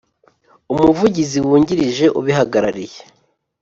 Umuvugizi wungirije ubihagarariye.